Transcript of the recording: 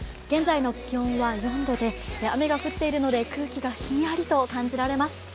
現在の気温は４度で、雨が降っているので空気がひんやりと感じられます。